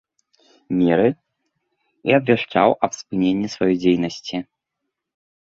Меры, і абвяшчаў аб спыненне сваёй дзейнасці.